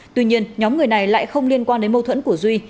tuy nhiên nhóm người này lại không liên quan đến mâu thuẫn của duy